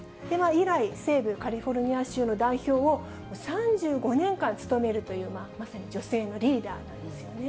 以来、西部カリフォルニア州の代表を、３５年間務めるというまさに女性のリーダーなんですよね。